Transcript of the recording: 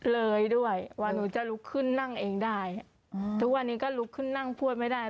เลยด้วยว่าหนูจะลุกขึ้นนั่งเองได้ทุกวันนี้ก็ลุกขึ้นนั่งพูดไม่ได้